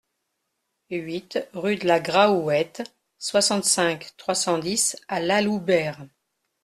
huit rue de la Graouette, soixante-cinq, trois cent dix à Laloubère